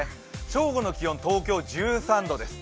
正午の気温、東京１３度です。